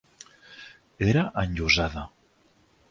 Era enllosada.